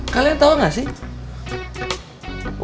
kalian tau gak sih